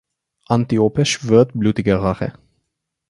Antiope schwört blutige Rache.